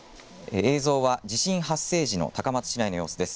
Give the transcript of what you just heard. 映像は地震発生時の高松市内の様子です。